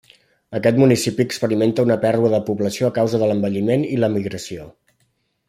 Aquest municipi experimenta una pèrdua de població a causa de l'envelliment i l'emigració.